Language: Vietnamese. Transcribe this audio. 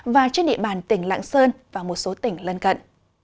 và trên địa bàn tỉnh lạng sơn và một số tỉnh lân cận